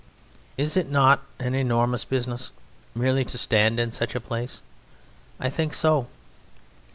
Is it not an enormous business merely to stand in such a place? I think so.